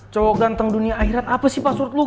cowok ganteng dunia akhirat apa sih password lo